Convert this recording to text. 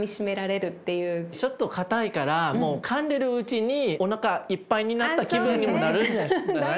ちょっと硬いからもうかんでるうちにおなかいっぱいになった気分にもなるんじゃない。